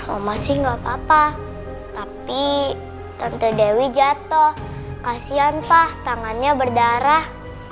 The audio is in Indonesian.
oma sih gak apa apa tapi tante dewi jatuh kasian pak tangannya berdarah